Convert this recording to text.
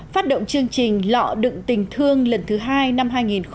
phát động chương trình lọ đựng tình thương lần thứ hai năm hai nghìn một mươi bảy